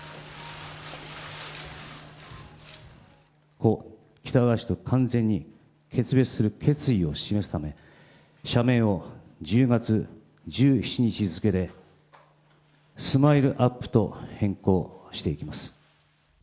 故・喜多川氏と完全に決別する決意を示すため、社名を１０月１７日付で、ＳＭＩＬＥーＵＰ．と変更していきます。